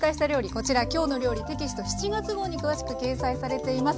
こちら「きょうの料理」テキスト７月号に詳しく掲載されています。